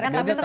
biar dia tahu